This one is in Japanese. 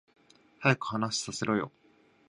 早く話させろよ